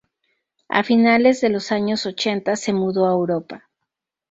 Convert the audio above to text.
A finales de los años ochenta se mudó a Europa.